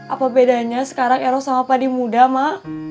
apa bedanya sekarang ero sama padi muda mak